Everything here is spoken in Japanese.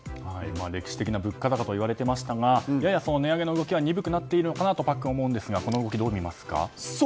歴史的な物価高といわれていましたがややその値上げの動きは鈍くなっているのかなとパックン思うんですがこの動きをどう見ますか？